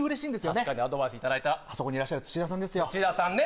確かにアドバイスいただいたあそこにいらっしゃる土田さんですよ土田さんね